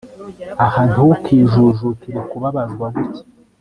ah! ntukijujutire kubabazwa gutya